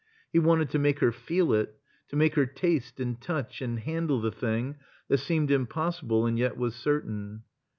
He wanted to make her fe^ it; to make her taste and touch and handle the thing that seemed impossible and yet was cer tain.